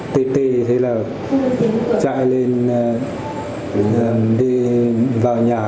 thì tì tì chạy lên đi vào nhà